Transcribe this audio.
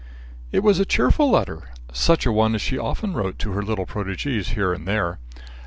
"It was a cheerful letter. Such a one as she often wrote to her little protegees here and there.